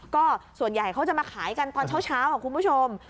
ก็ส่วนใหญ่เขาจะมาขายกันตอนเช้าคุณผู้ชม